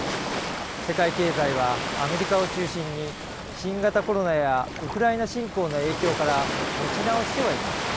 世界経済はアメリカを中心に、新型コロナやウクライナ侵攻の影響から、持ち直してはいます。